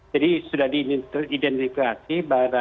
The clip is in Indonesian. jadi sudah diidentifikasi